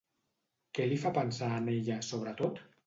Què li fa pensar en ella sobretot?